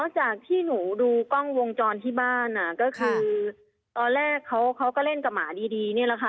จากที่หนูดูกล้องวงจรที่บ้านก็คือตอนแรกเขาก็เล่นกับหมาดีนี่แหละค่ะ